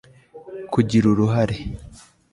kugira uruhare